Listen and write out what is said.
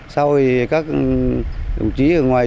sau đó các đồng chí ở ngoài